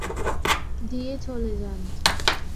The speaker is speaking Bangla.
দিয়ে চলে যান।